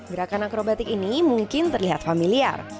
gerakan akrobatik ini mungkin terlihat familiar